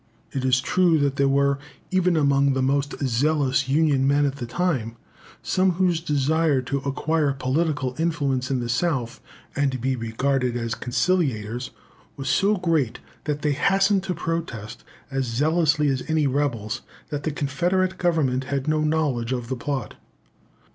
It is true that there were, even among the most zealous Union men at this time, some whose desire to acquire political influence in the South, and be regarded as conciliators, was so great, that they hastened to protest, as zealously as any rebels, that the Confederate Government had no knowledge of the plot.